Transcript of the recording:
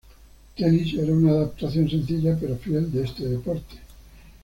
Tennis era una adaptación sencilla pero fiel de este deporte.